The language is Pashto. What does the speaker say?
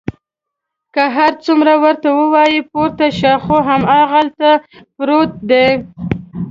که هر څومره ورته وایي پورته شه، خو هماغلته پروت دی.